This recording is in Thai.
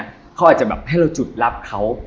เขาอาจจะแบบให้เราจุดลับเขา